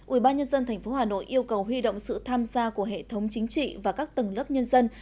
ubnd tp hà nội yêu cầu huy động sự tham gia của hệ thống chính trị và các tầng lớp nhân dân